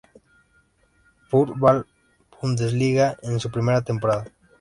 Fußball-Bundesliga en su primera temporada.